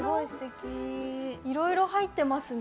いろいろ入っていますね。